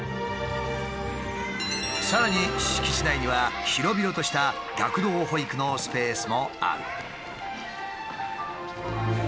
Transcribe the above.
さらに敷地内には広々とした学童保育のスペースもある。